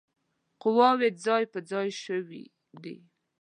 قواوي ځای پر ځای شوي دي.